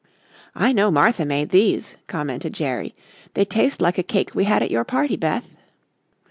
"I know Martha made these," commented Jerry; "they taste like a cake we had at your party, Beth."